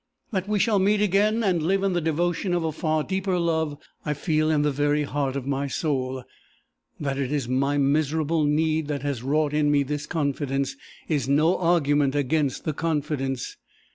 "That we shall meet again, and live in the devotion of a far deeper love, I feel in the very heart of my soul. That it is my miserable need that has wrought in me this confidence, is no argument against the confidence.